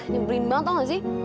nyebrin banget tau gak sih